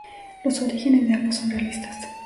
Los orígenes de ambos son realistas.